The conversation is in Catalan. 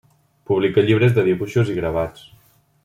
Publica llibres de dibuixos i gravats.